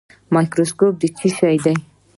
مایکروسکوپ څه شی دی؟